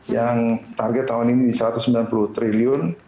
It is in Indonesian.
yang target tahun ini satu ratus sembilan puluh triliun